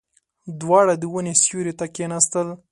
دواړه د ونې سيوري ته کېناستل.